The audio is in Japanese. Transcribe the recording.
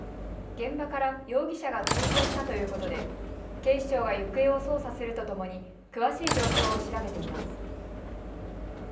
現場から容疑者が逃走したということで警視庁が行方を捜査するとともに詳しい状況を調べています。